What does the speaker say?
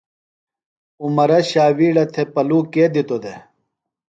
عمرہ شاویڑہ تھےۡ پلو کے دِتو دےۡ؟